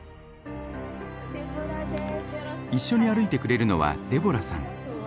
一緒に歩いてくれるのはデボラさん。